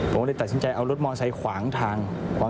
ผมเลยตัดสินใจเอารถมอไซค์ขวางทาง